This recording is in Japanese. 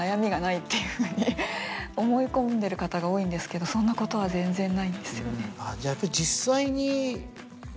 っていうふうに思い込んでる方が多いんですけどそんなことは全然ないんですよね。